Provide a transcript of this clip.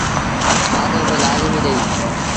تآلو با لآزميٚ ڏئيٚ۔